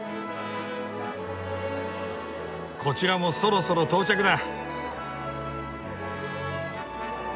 こちらもそろそろ到着だ。